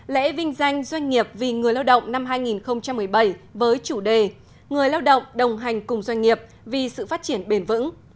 lễ vinh danh doanh nghiệp vì người lao động năm hai nghìn một mươi bảy với chủ đề người lao động đồng hành cùng doanh nghiệp vì sự phát triển bền vững